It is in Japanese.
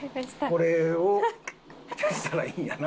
これをしたらいいんやな？